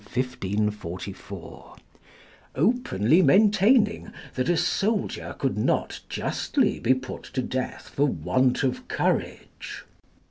in 1544] openly maintaining that a soldier could not justly be put to death for want of courage.